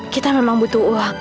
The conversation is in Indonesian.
kita memang butuh uang